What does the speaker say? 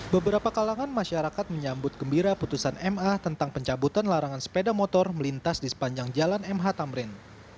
beberapa kalangan masyarakat menyambut gembira putusan ma tentang pencabutan larangan sepeda motor melintas di sepanjang jalan mh tamrin